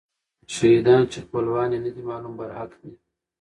شهیدان چې خپلوان یې نه دي معلوم، برحق دي.